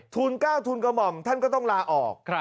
ทุน๙ทุนกระหม่อมท่านก็ต้องลาออก